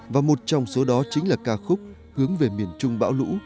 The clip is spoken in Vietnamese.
và một trong số đó chính là ca khúc hướng về miền trung bão lũ